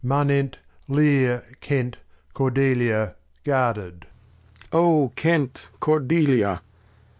Manent Lear, Kent, Cordelia, guarded. Lear. O Kent, Cordelia